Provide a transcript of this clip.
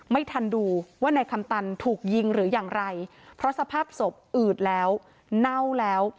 ไม่ทันดูว่านายคำตันถูกยิงหรืออย่างไรเพราะสภาพศพอืดแล้วเน่าแล้ว